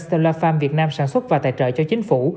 stellar farm việt nam sản xuất và tài trợ cho chính phủ